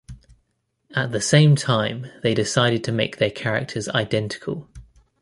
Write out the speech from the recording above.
At the same time they decided to make their characters identical.